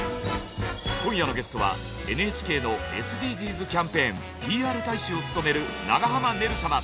今夜のゲストはＮＨＫのＳＤＧｓキャンペーンＰＲ大使を務める長濱ねる様。